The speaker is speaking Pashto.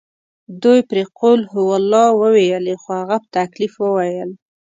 دوی پرې قل هوالله وویلې خو هغه په تکلیف وویل.